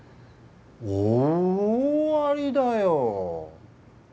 大ありだよ。